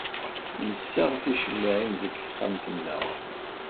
Nessaɣ ticemmaɛin deg texxamt-nneɣ.